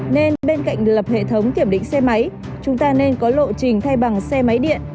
nên bên cạnh lập hệ thống kiểm định xe máy chúng ta nên có lộ trình thay bằng xe máy điện